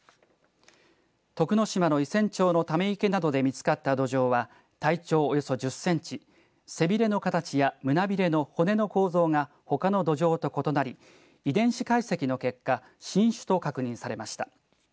徳之島の伊仙町のため池などで見つかったドジョウは体長およそ１０センチ背びれの形や胸びれの骨の構造がほかのドジョウと異なり遺伝子解析の結果新種と確認されました。